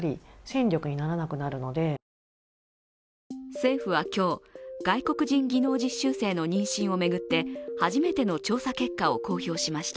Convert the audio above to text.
政府は今日、外国人技能実習生の妊娠を巡って初めての調査結果を公表しました。